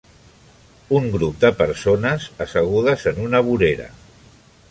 Un grup de persones assegudes en una vorera.